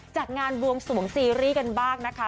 จัดงานบวงสวงซีรีส์กันบ้างนะคะ